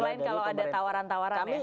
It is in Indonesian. selain kalau ada tawaran tawaran ya